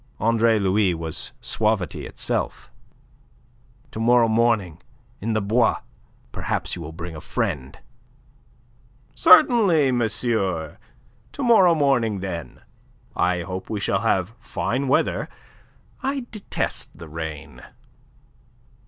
Andre Louis was suavity itself. "To morrow morning, in the Bois. Perhaps you will bring a friend." "Certainly, monsieur. To morrow morning, then. I hope we shall have fine weather. I detest the rain."